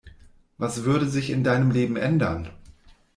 Was würde sich in deinem Leben ändern?